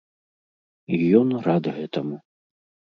І ён рад гэтаму.